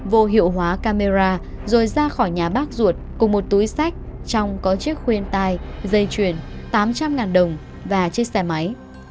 vô hiệu hóa camera rồi ra khỏi nhà bác ruột cùng một túi sách trong có chiếc khuyên tai dây chuyền tám trăm linh đồng và chiếc xe máy